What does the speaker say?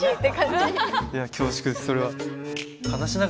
いや恐縮ですそれは。